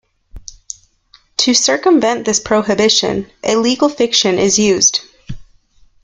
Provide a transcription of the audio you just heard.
To circumvent this prohibition, a legal fiction is used.